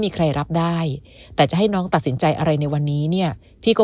มีใครรับได้แต่จะให้น้องตัดสินใจอะไรในวันนี้เนี่ยพี่ก็